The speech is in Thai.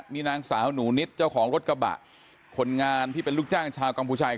มีนางสาวหนูนิดเจ้าของรถกระบะคนงานที่เป็นลูกจ้างชาวกัมพูชา